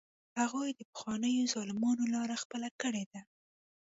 هغوی د پخوانیو ظالمانو لاره خپله کړې ده.